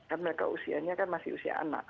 kan mereka usianya kan masih usia anak